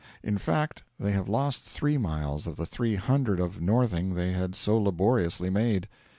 In fact, they have lost three miles of the three hundred of northing they had so laboriously made.